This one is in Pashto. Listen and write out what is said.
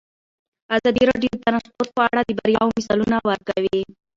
ازادي راډیو د ترانسپورټ په اړه د بریاوو مثالونه ورکړي.